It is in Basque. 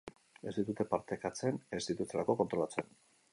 Ez dituzte partekatzen ez dituztelako kontrolatzen.